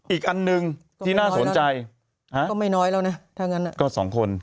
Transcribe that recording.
อีกอันหนึ่งที่น่าสนใจก็ไม่น้อยแล้วนะถ้างั้นก็สองคน